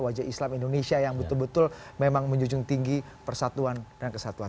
wajah islam indonesia yang betul betul memang menjunjung tinggi persatuan dan kesatuan